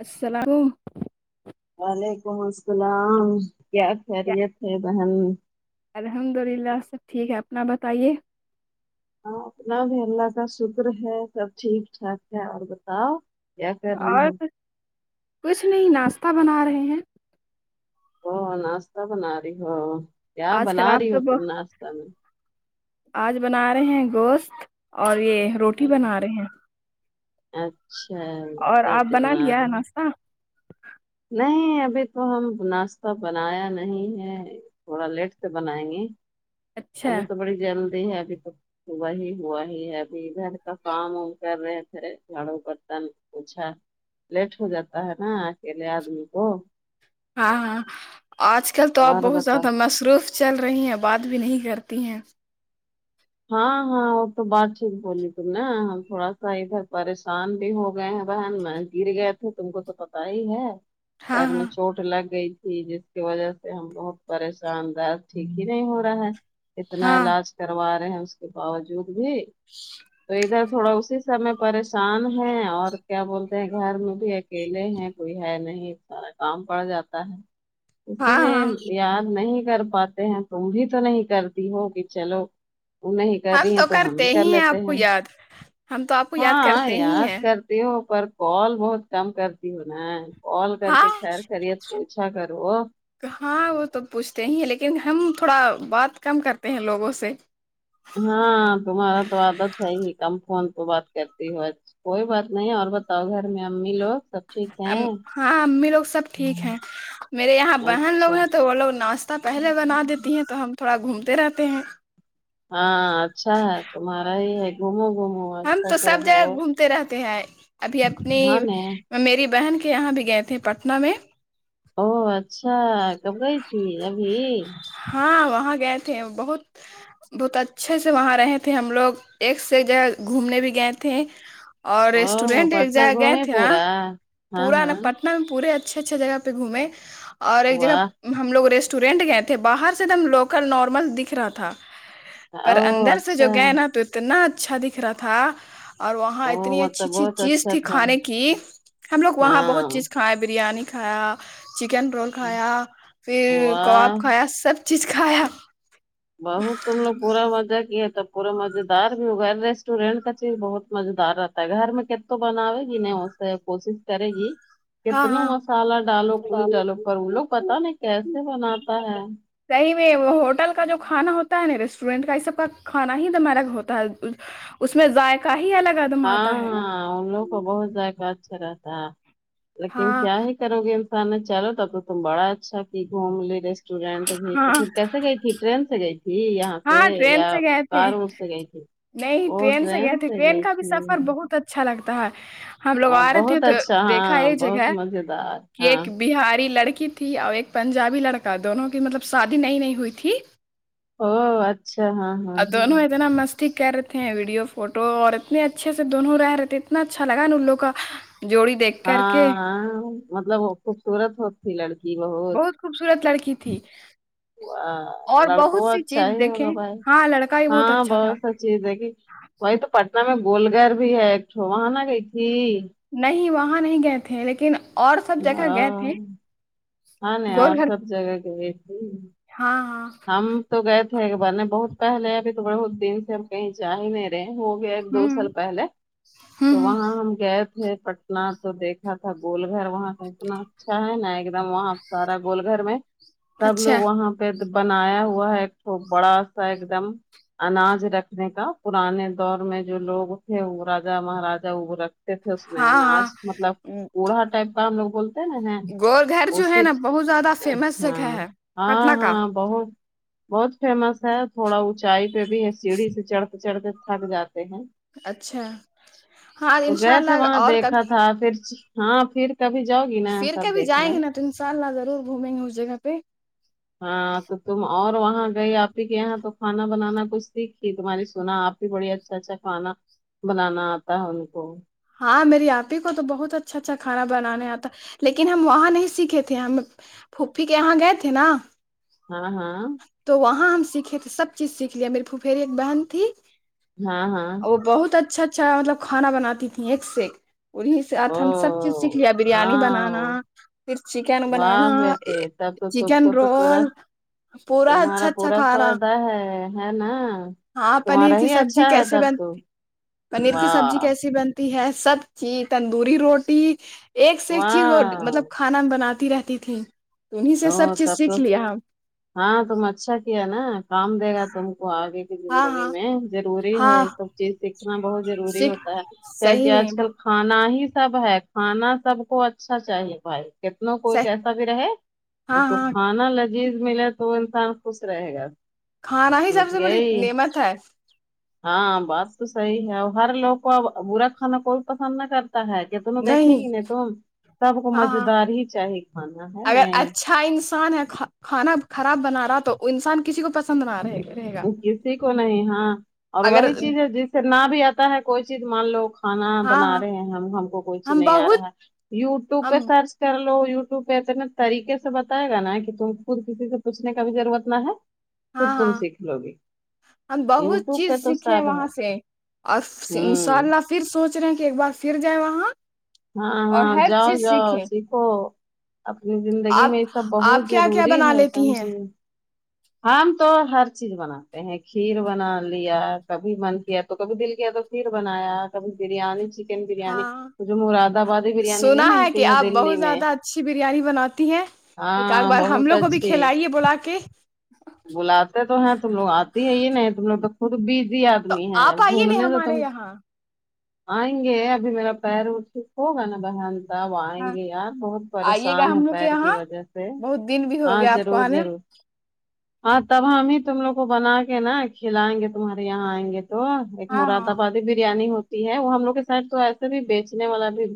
السلام وعلیکم السلام کیا خیریت ہے بہن الحمد اللہ سب ٹھیک ہے اپنا بتائیے ہاں اپنا بھی اللہ کا شکر ہے سب ٹھیک ٹھاک ہے اور بتاؤ کر رہی اور ہو کچھ نہیں ناشتہ بنا رہے ہیں ا ناشتہ بنا رہی ہو کیا آج کل بنا آپ رہی تو ہو تم بہت- ناشتہ میں آج بنا رہے ہیں گوشت اور یہ روٹی بنا رہے ہیں اچھا اور آپ روٹی بنا لیا ہے رہی ہو ناشتہ نہیں ابھی تو ہم ناشتہ بنایا نہیں ہے تھوڑا لیٹ سے بنائیں گے اچھا ابھی تو بڑی جلدی ہے ابھی تو وہی ہوا ہی ہے ابھی گھر کا کام وم کر رہے تھے جھاڑوں برتن اچھا لیٹ ہو جاتا ہے نا اکیلے آدمی کو ہاں ہاں آج کل تو آپ اور بہت بتا زیادہ مصروف چل رہی ہیں بات بھی نہیں کرتی ہیں ہاں ہاں وہ تو بات ٹھیک بولی تم نا ہم تھوڑا سا ادھر پریشان بھی ہو گئے ہیں بہن میں گر گئے تھے تم کو تو پتا ہی ہے ہاں پیر ہاں میں چوٹ لگ گئی تھی جس کی وجہ سے ہم بہت پریشان دار ٹھیک ہی نہیں ہو رہا ہے اتنا ہاں علاج کروا رہے ہیں اس کے باوجود بھی تو ادھر تھوڑا اسی سیں پریشان ہیں اور کیا بولتے ہیں گھر میں بھی اکیلے ہیں کوئی ہے نہیں سارا کام پڑ جاتا ہے اسی ہاں لیے ہاں یاد نہیں کر پاتے ہیں تم بھی تو نہیں کرتی ہو کہ چلو وہ نہیں کر رہی ہیں تو ہم ہی کر لیتے ہیں ہم تو آپ کو یاد ہاں کرتے ہی یاد ہیں کر ہو پر کال بہت کم کرتی ہو نا کال کر کے ہاں خیر خری ہےت پوچھا کرو ہاں وہ تو پوچھتے ہی ہیں لیکن ہم تھوڑا بات کم کرتے ہیں لوگوں سے ہاں تمہارا تو عادت ہے ہی کم فون پہ بات کرتی ہو ا کوئی بات نہیں اور بتاؤ گھر میں امی لوگ سب ٹھیک ہیں ہاں امی لوگ سب ٹھیک ہیں میرے یہاں بہن لوگ اچھا ہیں تو وہ لوگ ناشتہ پہلے بنا دیتی ہیں تو ہم تھوڑا گھومتے رہتے ہیں ہاں اچھا ہے تمہارا یہ ہے گھومو گومو ہم تو سب جگہ گھومتے رہتے ہیں ابھی اپنی ہاں نہیں میری بہن کے یہاں بھی گئے تھے پٹنہ میں او اچھا کب گئی تھی ابھی ہاں وہاں گئے تھے بہت بہت اچھے سے وہاں رہے تھے ہم لوگ ایک سے ایک جگہ گھومنے بھی گئے تھے اور ر اوہ اسٹوڈینٹ ایک پٹنہ جگہ گئے گھومی تھے نا پورا ہاں پورا نا ہاں پٹنہ میں پورے اچھ اچھے اچھے جگہ پہ گھومیں اور ایک جگہ واہ ہم لوگ ریسٹورینٹ گئے تھے باہر سے ایک دم لوکل نارمل دکھ رہا تھا پر اوہ اندر سے جو اچھا گئے نا تو اتنا اچھا دکھ رہا تھا اور وہاں اوہ اتنی اچھی مطلب اچھی بہت چیز اچھا تھی تھا کھانے کی ہم لوگ وہاں بہت ہاں چیز کھایا بریانی کھایا چکن رول کھایا پھر واہ کباب کھایا سب چیز کائے بہت تم لوگ پورا مزہ کیاے تب پورا مزے دار بھی ہوگا ریسٹورینٹ کا چیز بہت مزے دار رہ گھر میں کت تو بناوے گی نہیں اس سے کوشش کرے گی ہاں کتنا ہاں مسالہ ڈالو کوئی ڈالو پر وہ لوگ پتا نہیں کیسے بناتا ہے کہیں بھی وہ ہوٹل کا جو کھانا ہوتا ہے ریسٹورنٹ کا اس وقت کھانا ہی دمارگ ہوتا ہے اس میں ذائق ہی لگا دو ہاں ہاں ان لوگوں کو بہت ذائقہ اچھا رہتا ہے لیکن ہاں کیا ہے کرو گ انسان نے چلو تب تو تم بڑا اچھا کہ گھوم لی رسٹ اسٹوڈینٹ بھی تو ہاں پھر کیسے گئی تھی ٹرین سے گئی تھی ت یہاں سے ہاں ٹرین یا سے گئے تھے کار سے گئی تھی نہیں وہ ٹرین گئے تھے سے گئی کا تھی سفر بہت اچھا لگتا ہے ہم لوگ ہاں، آ رہے تھے بہت تو اچھا دیکھا ہاں یہ جگہ بہت ہے مزیدار کہ ہاں ایک بہاری لڑکی تھی اور ایک پنجابی لڑکا دونوں کی مطلب شادی نہیںئی نہیں ہوئی تھی او اچھا ہاں ہاں اد ہاں ن ن مست ٹ کہ رہتے ہیں ویڈیو فوٹو اور اتنے اچھے سے دونوں رہتے اتنا اچھا لگا نا ان لوگ کا جوڑی دیکھ کر کے ہاں مطلب خوبصورت ہو لڑکی بہت خوبصورت لڑکی تھی اور بہت لڑکوں سی اچھا چیز ہی دیکھیں ہوگا بھائی ہاں لڑکا بھی ہاں اچھا تھا بہت ا جی دیکھی وہی تو پٹنہ میں گول گھر بھی ہے ایک وہاں نہ گئی تھی نہیں وہاں نہیں گئے تھے لیکن اور سب و جگہ گئے تھے ہاں نہیں اور گول گھر سب جگہ گئے تھی ہاں ہاں ہم تو گئے تھے ایک بار نے بہت پہلے ابھی تھ بڑہت دن سے ہم کہیں جا ہی نہیں رہے وہ گیا دو ہوں سال پہلے ہوں تو ہوں وہاں ہم گئے تھ پ اتنا تو دیکھا تھا گول گھر وہاں کا اتنا اچھا ہے نا ایک دم وہاں سارا گول گھر میں سب اچھا لوگ وہاں پہ بنایا ہوا ہے ایکو بڑا سا ایک دم اناج رکھنے کا پرانے دور میں جو لوگ تھے وہ راجا مہاراجا وہ رکھ تھے اس میں ہاں ہاں اناج مطلب کوڑھا ٹائپ کا ہم لوگ ا گور گھر وہ جو ہے نا بہت زیادہ فیمس جگہ ہاں ہے ہاں پٹنہ کا ہاں بہت بہت فیمس ہے تھوڑا اونچائی پہ بھی ہے سیڑھی سے چڑھتے چڑھتے تھک جاتے ہیں اچھا ہاں تو ان شاء گئے تھے اللہ وہاں اور دیکھا کبھی تھا پھر ہاں پھر کبھی جؤ گی نا پھر تب کبھی جائیں دیکھنا گے نا تو ان شاء اللہ ضرور گھومیں گے اس جگہ پہ ہاں تو تم اور وہاں گئی آپ ہی کے یہاں تو کھانا بنانا کچھ سیکھھی تمہاری سنا آپ بڑی اچھا اچھا کھانا بنانا آتا ہے ان کو ہاں میری آپ ہی کو تو بہت اچھا اچھا کھانا بنانے آتا لیکن ہم وہاں نہیں سیکھے تھے ہم پھپھی کے یہاں گئے تھے نا ہاں ہاں تو وہاں ہم سیکھے تھے سب چیز سیکھ لیا میری پھفھیری ایک بہن تھی ہاں ہاں وہ بہت اچھا اچھا مطلب کھانا بناتی تھھی ایک سے وہی سھ او ہم سب چیز سیکھ لیا بریانی بنانا ہاں پھر چکن واہ بنانا بیٹے تب تو تم چکین کو تو رول پورا پورا اچھا تمہارا اچھا پورا کھا رہا فائدہ ہے ہے نا ہاں پنیر تمہارا کی ہی سبزی اچھا ہے کیسے تب تو بنتی پنیر کی سبزی واہ کیسی بن ہے سب چیز تندوری روٹی ایک سے ایک چیز مطلب واہ کھانا بناتی رہتی تھیں ا تب تو ہاں تم اچھا کیا نا کام دے گا تم کو آگے ہاں زندگی ہاں میں ضروری ہے ہاں یہ سب چیز سیکھنا بہت ضروری سیکھ ہوتا ہے کیا کہ صحیح میں آج کل کھانا ہی سب ہے کھانا سب کو اچھا چاہیے بھائی کتن کوئی کیسا بھی رہے اس ہاں کو ہاں کھانا لذیذ ملے تو وہ انسان خوش رہے گا کھانا ہی سب سمجھ سے بڑی گئی نعمت ہے ہاں بات تو صحیح ہے اور ہر لوگ کو اب برا کھانا کوئی پسند نہ کرتا ہے تونوں دیکھے ہی نہیں تم سب کو ہاں مزے ہاں دار ہی چاہے کھانا ہے ن چھا انسان ہے کھانا خراب بنا رہا تو انسان کسی کو پسند نہ رہے رہے گا کسی کو نہیں ہاں اور اگر وہی چیز ہے جس سے نہ بھی اے کھانا ہاں بنا ہاں رہے ہیں ہم ہم کو کوئی چیز ہم نہیں آ بہت رہا ہے یوٹیوب پہ ہم سرچ کر لو یوٹیوب پہ اتنے طریقے سے بتائے گا نا کہ تم خود کسی سے پوچنے کا بھی ضرورت نہ ہے ہاں اتم ہاں سیکھ لو گے ہم بہت یوٹیوب پہ چیز تو سیکھے سب ہے وہاں سے اور ان شاء ہوں اللہ پھر سوچ رہے ہیں کہ ایک بار پھر جائے وہاں ہاں اور ہاں ہر جاؤ چیز جاؤ سیکھیں سکھو اپنی زندگی آپ میں یہ سب بہت آپ کیا کیا ضروری بنا ہے لیتی ہیں سمجھے ہمم تو ہر چیز بنا ہیں کھیر بنا لیا کبھی من کیا تو کبھی دل کیا تو کھیر بنایا کبھی بریانی چی بریانی ہاں جو مراد آبادی بریانی نہیں سنا ہے کہ ملتی آپ دلی بہت میں زیادہ اچھی بریانی بناتی ہیں ایک آت ہاں بار ہم بہت لوگ کو بھی اچھی کھلائیے بلا کے بلاتے تو ہیں تم لوگ آتی ہے ہی نہیں تم لوگ تو خ تو بزی تو آدمی ہیں آپ آئیے نا گھومنے سے ہمارے تم یہاں آئیں گے ابھی میرا پیر ا ٹیک ہوگا نا بہن تاب آئیں ہاں گے یار بہت آئیے پریشان گا ہے ہم لوگ کے پیر کی یہاں وجہ سے بہت دن بھی ہو ہاں گیا آپ کو ضرور آنے ضرور ہاں تب ہم ہی تم لوگ کو بنا کے نا کھلائیں گے تمہارے یہاں آئیں گے تو ایک ہاں مراد ہاں آباد بریانی ہوتی ہے وہ ہم لوگ کے ساتھ تو ایسے بھی بیچنے والا بھی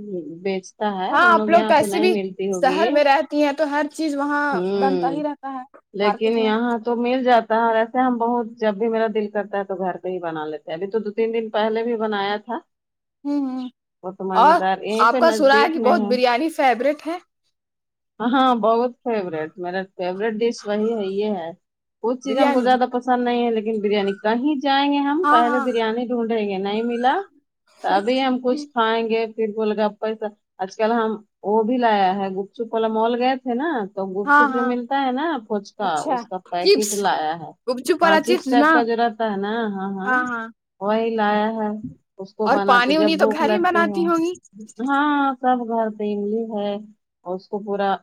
بیچ ہے ہاں تم آپ لوگ یہاں تو ایسے نہیں بھی ملتی ہوگی شہر میں رہتی ہیں تو ہر چیز وہاں بنتا ہوں ہی رہتا ہے لیکن مارکیٹ میں یہاں تو مل جاتا ہے اور ایسے ہم بہت جب بھی میرا دل کرتا ہے تو گھر پہ ہی بنا لیتے یبھی تو دو تین دن پہلے بھی بنایا تھا ہوں ہوں وہ تو مزہ اور دار ایک آپ کا سنا نزدیک کہ میں بہت ہے بریانی فیوریٹ ہے ہاں بہت فیوریٹ میرا فیوریٹ ڈیش وہی ہے یہ ہے کچھ چیز ہم کو بریانی زیادہ پسند نہیں ہے لیکن بریانی کہیں جائیں گے ہم ہاں پہلے ہاں بریانی ڈھونڈیں گے نہیں ملا ابھی ہم کچھ کھائیں گے پھر گول گپاسا آج کل ہم وہ بھی لایا ہے گپ چپ والا مال گیا ہے نا تو گپ ہاں چپ جو ہاں ملتا ہے نا پچ کا اچھا اس کا پیکٹ چپس لایا ہے گپ چپ ہاں والا چپس نا ٹائپ کا جو رہتا ہے نا ہاں ہاں وہی لایا ہے اس کو اور بناتے پانی جب وانی تو بھوک گھر ہی لگتی ہے بناتی ہوں گی ہاں سب گھر پہ املی ہے اور اس کو پورا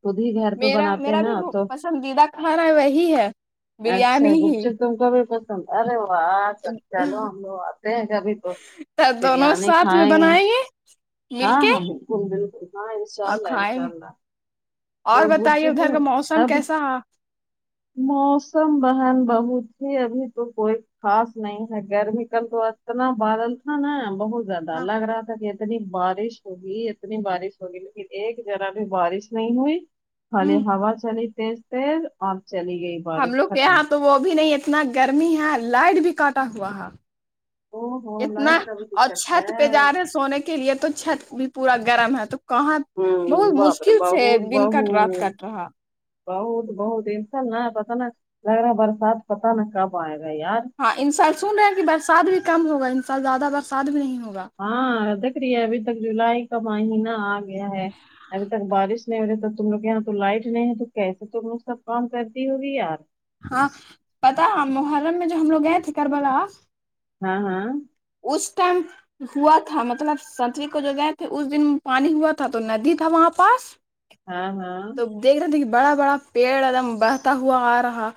خود ہی گھر پہ میرا بناتے ہیں میرا نا بھی تو پسندیدہ کھانا ہے وہی ہے اچھا بریانی گپ ہی چپ تم کو بھی پسند ارے واہ آ اچا لو ہم لوگ آتے ہیں کبھی تو تو دونوں بریانی ساتھ میں کھائیں گے بنائیں مل ہاں کے ہاں بالکل بالکل ہاں ان شاء اور اللہ کھائیں انشاء گے اللہ اور بتائیے ادھر کا موسم [unintelligible] کیسا ہے؟ موسم بہن بہت ہے ابھی تو کوئی خاص نہیں ہے گرمی کا تو اتنا بادل تھا نا بہت زیادہ ہاں لگ رہا تھا کہ اتنی بارش ہوگی اتنی بارش ہوگی لیکن ایک جرا بھی بارش نہیں ہوئی خالی ہ ہوا چلی تیز تیز اور چلی گئی ہم بارش لوگ ختم یہاں تو وہ بھی نہیں اتنا گرمی ہے لائٹ بھی کاٹا ہوا ہے او ہو اتنا لائٹ کا بھی ا دقت چھت پہ ہے جا رہے سونے کے کے لیے تو چھت بھی پورا گرم ہے تو کہاں بہت ہوں باپ رے مشکل سے بہت دن کٹ رات بہت کٹ رہا بہت بہت انسا ن پتا نا لگ رہا ہے برسات پتا نا کب آئے گا یار ہاں ان سال سن رہے ہیں کہ برسات بھی کم ہوگا ان سال زیادہ برسات بھی نہیں ہوگا ہاں دیکھ رہی ہے ابھی تک جولائی کا مہینہ آ گیا ہے ابھی تک بارش نہیں ہو رہی تو تم لوگ یہاں تو لائٹ نہیں ہے تو کیسے تم لوگ سب کام کرتی ہوگی یار ہاں پتہ ہے محرم میں جو ہم لوگ گئے تھے کربلا ہاں ہاں اس ٹائم ہوا تھا مطلب ستو کو جو گئے تھے اس دن پانی ہوا تھا تو ندی تھا وہاں پاس ہاں ہاں تو دیکھ رہے دیک بڑا بڑا پیڑ ایکم بڑھتا ہوا آ رہا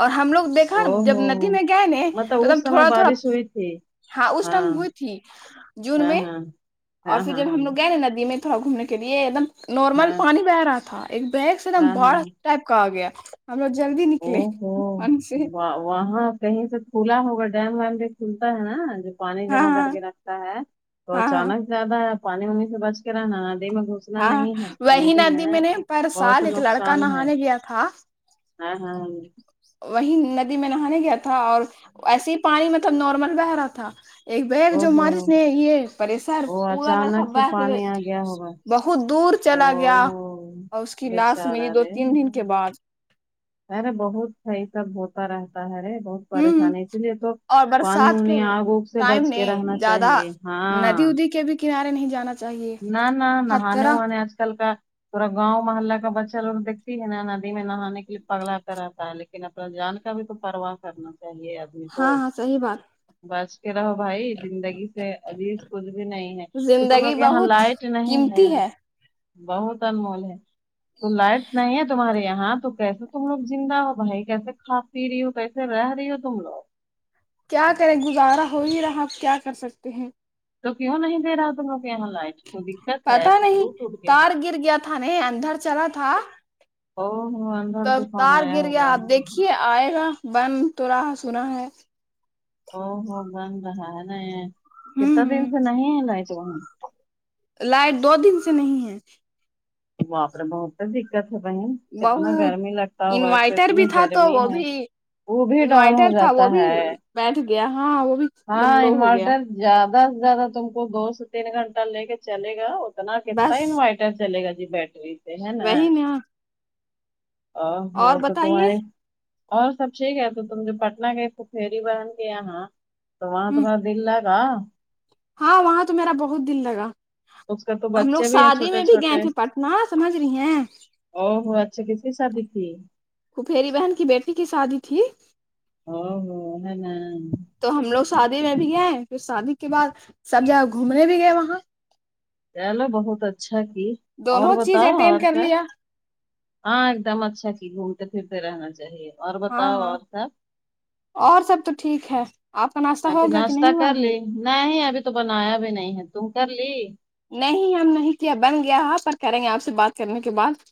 اور ہم لوگ دیکھا او جب ہو ندی میں گئے نے تو تب تھوڑا تھوڑا تھے ہاں اس ٹائم ہوئی تھی جون ہاں میں ہاں اور ہاں پھر ہاں جب ہم ہاں لوگ گئے ندی میں تھوڑا گھومنے کے لیے ایک دم نارمل ہاں پانی بہہ رہا تھا ایک بیگ سے ایک دم ہاں باڑ ہاں ٹائپ کا آگیا ہم لوگ جلدی او نکلے ہو پانی سے وہاں کہیں سے کھلا ہوگا ڈیم ویم بھی کھلتا ہے جو پانی ہاں جمع کر ہاں کے رک تا ہے تو ہاں اچانک زیادہ ہے پانی وانی سے بچ کے رہنا دن میں گھس ہاں وہی ندی میں نے پر بہت سال ایک لڑکا نقصان ہے نہانے گیا تھا ہاں ہاں ہاں وہی ندی میں نہانے گیا تھا اور ایسے ہی پانی مطلب نارمل بہہ رہا تھا ایک بیگ او جو ہو مرس نے یہ پریشر او پورا ن اچانک کبا سے پھر پانی آ گیا ہوگا بہت دور او چلا گیا اور اس کی لاش ملی بیچارہ دو رے تین دن کے بعد ارے بہت صحیح سب ہوتا رہتا ہے رے بہت ہوں پریشانی اس لیے تو اور پانی برسات کے وانی آگ وگ سے ٹائم بچ کے نہیں رہنا زیادہ چاہیے ندی ہاں ادی کے بھی کنارے نہیں جانا چاہیے نہ نہ نہانے خطرہ وانے آج کل کا پورا گاؤں محلہ کا بچہ لوگ دیکتی ہے نا ندی میں نہانے کے لیے پگلا تا رہتا ہے لیکن اپنا جان کا بھی تو پرواہ کرنا چاہیے اب ہاں ہاں صحیح بات بس کے رہو بھائی زندگی سے ابھی کچھ بھی نہیں ہے تو تم زندگی لوگ یہاں بہت لائٹ نہیں ہے قیمتی بہت انمول ہے تو لائٹ نہیں ہے تمہارے یہاں تو کیسے تم لوگ زندہ ہو بھائی کیسے کھا پی رہی ہو کیسے رہ رہی ہو تم لوگ کیا کریں گزارا ہو ہی رہا اب کیا کر سکتے ہیں تو کیوں نہیں دے رہا تم لوگ کے یہاں لائٹ کوئی دقت ہے پتا کچھ نہیں ٹوٹ ٹوٹ گیا تار ہے گر گیا تھا نے اندر چلا تھا او ہو ہم تو اب تار گر گیا آپ دیکھیے آئے گا بن تو رہا سنا ہے او ہو بن رہا ہے نے کتنا دن ہوں سے نہیں ہے لائٹ وہا لائٹ دو دن سے نہیں ہے پاپ رے بہت دکت ہے بہن کتنا بہت گرمی لگتا ہوگا ایک تو انوائٹر بھی اتنی تھا تو گرمی وہ ہے بھی وہ بھی ڈاؤن ہو انوائٹر تھا جاتا وہ بھی ہے بیٹھ گیا ہاں وہ بھی ایک ہاں دم لو ہو گیا انورٹر زیادہ سے زیادہ تم کو دو سے تین گھنٹہ لے کے چلے گا اتنا کتنا بس انوائٹ ٹر چلے گا جی بیٹری وہی نا آ اور ہور بتائیے کٹواے اور سب ٹھیک ہے تو تم جو پٹنہ گے [unintelligible] بہن کے یہاں تو وہاں ہ تمہارا دل لاگ آآ ہاں وہاں تو میرا بہت دل لگا اس کا تو ہم لوگ بچے بھی ہیں شادی میں چھوٹے بھی گئے چھوٹے تھے پٹنہ سمجھ رہی ہیں او ہوں اچھا کس کی شادی تھی پھوپیری بہن کی بیٹی کی شادی تھی آ ہاں ہے نہ تو ہم لوگ شادی میں بھی گئے پھر سادی کے بعد سب جگہ گھومنے بھی گئے وہاں چلو بہت اچھا کیے اور دونوں چیز بتاؤ اور اٹینڈ کر سب لیا آ ایک دم اچھا کی گھومتے پھرتے رہنا چاہیے اور ہاں بتاؤ ہاں اور سب اور سب تو ٹھیک ہے آپ کا ناشتہ ہو ابھی گیا کہ ناشتہ نہیں ہوا کر ابھی لی نہیں ابھی تو بنایا بھی نہیں ہے تم کر لی نہیں ہم نہیں کیا بن گیا ہے پر کریں گے آپ سے بات کرنے کے بعد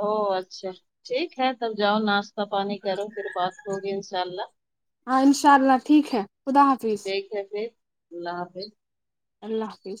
او اچھا ٹھیک ہے تب جاؤ ناشتہ پانی کرو فیر بات ہوگی انشاء اللہ ہاں ان شاء اللہ ٹھیک ہے خدا حافظ ٹھیک ہے فیر اللہ حافظ اللہ حافظ